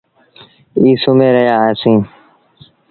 ائيٚݩ سُمهي رهيآ سيٚݩ۔